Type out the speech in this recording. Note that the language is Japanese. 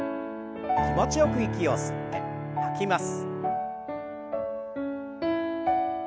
気持ちよく息を吸って吐きます。